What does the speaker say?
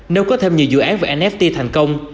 nếu có thêm nhiều dự án và nft thành công